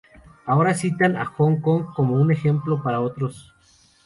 Ahora citan a Hong Kong como un ejemplo para otros.